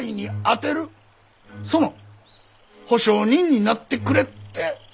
その保証人になってくれって？